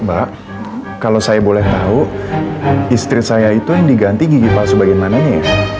mbak kalau saya boleh tahu istri saya itu yang diganti gigi palsu bagaimana ya